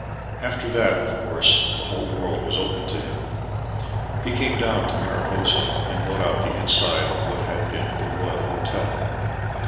After that, of course, the whole world was open to him. He came down to Mariposa and bought out the "inside" of what had been the Royal Hotel.